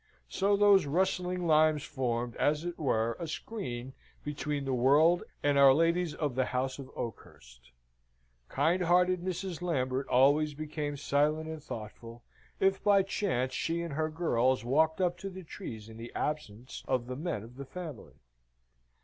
So those rustling limes formed, as it were, a screen between the world and our ladies of the house at Oakhurst. Kind hearted Mrs. Lambert always became silent and thoughtful, if by chance she and her girls walked up to the trees in the absence of the men of the family.